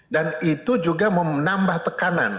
dan itu juga menambah tekanan